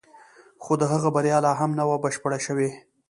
خو د هغه بریا لا هم نه وه بشپړه شوې